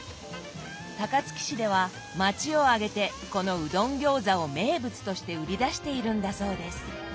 高槻市では町を挙げてこのうどんギョーザを名物として売り出しているんだそうです。